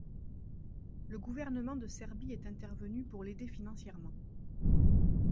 Le gouvernement de Serbie est intervenu pour l'aider financièrement.